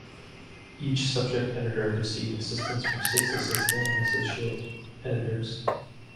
Each subject editor received assistance from six assistant and associate editors.